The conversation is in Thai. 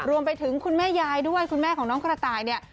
รวมไปถึงคุณแม่ยายด้วยคุณแม่ของน้องกระต่ายเนี่ย